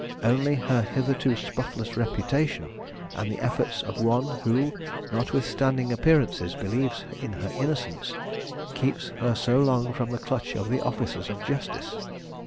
Only her hitherto spotless reputation, and the efforts of one who, notwithstanding appearances, believes in her innocence, keeps her so long from the clutch of the officers of justice.